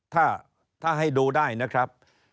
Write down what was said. ถ้าให้ดูได้นะครับ